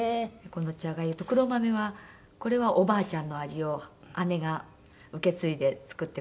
この茶粥と黒豆はこれはおばあちゃんの味を姉が受け継いで作ってくれてるんですけど。